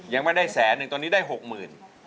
ยังไม่ได้แสนหนึ่งตอนนี้ได้๖๐๐๐บาท